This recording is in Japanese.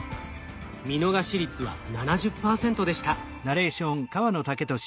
見逃し率は７０％でした。